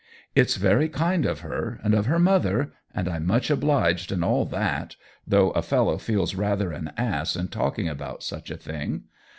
" It's very kind of her and of her mother, and I'm much obliged and all that, though a fellow feels rather an ass in talking about such a thing.